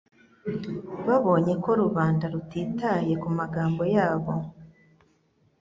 Babonye ko rubanda rutitaye ku magambo yabo,